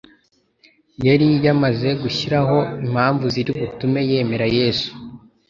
yari yamaze gushyiraho impamvu ziri butume yemera Yesu